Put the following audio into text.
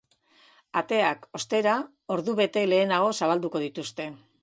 Ateak, ostera, ordubete lehenago zabalduko dituzte.